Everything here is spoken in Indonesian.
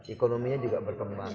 ekonominya juga berkembang